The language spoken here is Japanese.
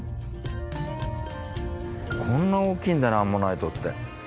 こんな大きいんだなアンモナイトって。